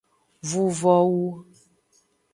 Vuvowu.